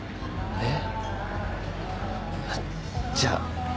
えっ？